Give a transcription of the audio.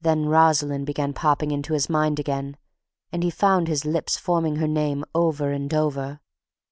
Then Rosalind began popping into his mind again, and he found his lips forming her name over and over.